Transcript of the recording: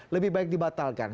lebih baik dibatalkan